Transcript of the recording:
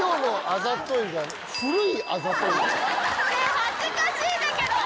恥ずかしいんだけど！